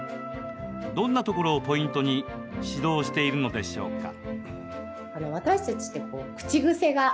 どんなところをポイントに指導しているのでしょうか。